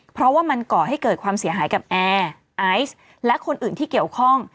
เพราะว่ามันก่อให้เกิดความเสียหายกับแอร์ไอซ์และคนอื่นที่เกี่ยวข้อง